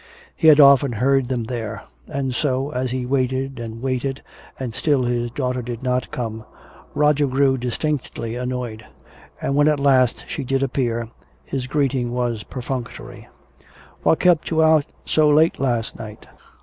He had often heard them there. And so, as he waited and waited and still his daughter did not come, Roger grew distinctly annoyed; and when at last she did appear, his greeting was perfunctory: "What kept you out so late last night?"